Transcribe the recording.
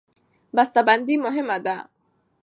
بسته بندي مهمه ده.